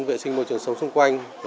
vệ sinh môi trường sống xung quanh